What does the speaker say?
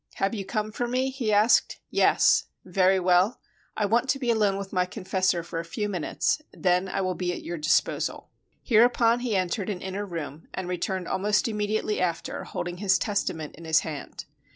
''Have you come for me?" he asked. "Yes." "Very well. I want to be alone with my confessor for a few minutes, and then I will be at your disposal." Hereupon he en tered an inner room, and returned almost immediately after, holding his testament in his hand.